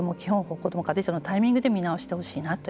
こども家庭庁のタイミングで見直してほしいな